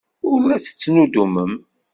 Ur la tettnuddumem.